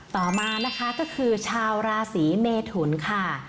ต่อมานะคะก็คือชาวราศีเมทุนค่ะ